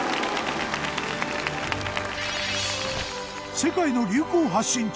世界の流行発信地